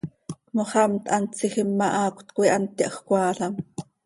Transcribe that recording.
Moxhamt hant tsiijim ma, haacöt coi hant yahjcoaalam.